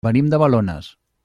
Venim de Balones.